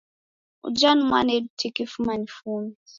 Uja ni mwanedu tiki fuma nifume.